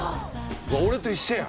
俺と一緒や。